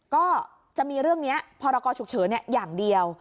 ก็จะมีเรื่องนี้พรกรฉุกเฉินอย่างเดียว